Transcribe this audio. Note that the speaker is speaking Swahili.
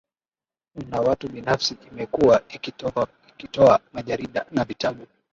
na watu binafsi Imekuwa ikitoa majarida na vitabu